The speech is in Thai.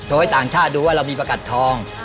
ให้ต่างชาติดูว่าเรามีประกัดทอง